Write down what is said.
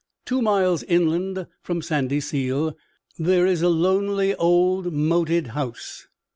Two miles inland from Sandyseal, there is a lonely old moated house.